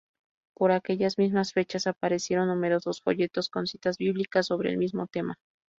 Por aquellas mismas fechas aparecieron numerosos folletos con citas bíblicas sobre el mismo tema.